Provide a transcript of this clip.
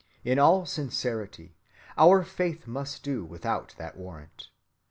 In all sincerity our faith must do without that warrant.